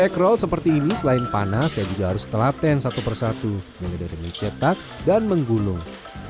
backgrol seperti ini selain panas saya juga harus telaten satu persatu mulai dari mencetak dan menggulung